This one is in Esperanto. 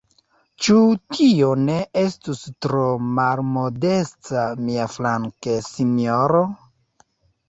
Ĉu tio ne estus tro malmodesta miaflanke, sinjoro?